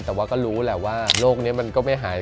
แต่ว่าก็รู้แหละว่าโรคนี้มันก็ไม่หาย